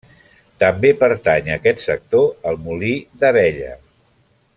També pertany a aquest sector el Molí d'Abella.